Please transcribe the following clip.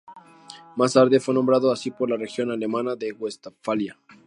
Más tarde, fue nombrado así por la región alemana de Westfalia.